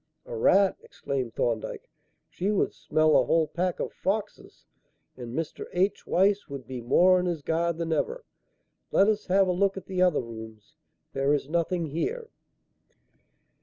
"A rat!" exclaimed Thorndyke. "She would smell a whole pack of foxes, and Mr. H. Weiss would be more on his guard than ever. Let us have a look at the other rooms; there is nothing here."